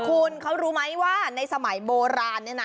คุณเขารู้ไหมว่าในสมัยโบราณเนี่ยนะ